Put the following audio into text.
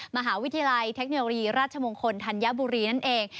มหาวิทยาลัยเทคโนโลยีราชมงคลธัญบุรีนั่นเอง